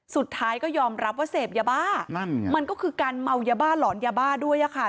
สุดท้ายก็ยอมรับว่าเสพยาบ้านั่นไงมันก็คือการเมายาบ้าหลอนยาบ้าด้วยอะค่ะ